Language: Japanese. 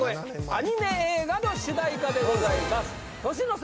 アニメ映画の主題歌でございます年の差！